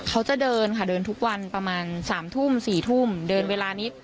เขาจะเดินค่ะเดินทุกวันประมาณ๓ทุ่ม๔ทุ่มเดินเวลานี้